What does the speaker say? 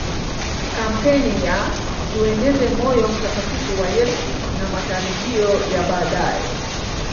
kampeni ya tueneze moyo mtakatifu wa Yesu na matarajio ya baadae